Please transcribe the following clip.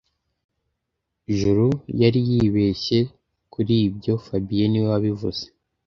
Juru yari yibeshye kuri ibyo fabien niwe wabivuze